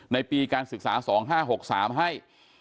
ในปีการศึกษา๒๕๖๓ให้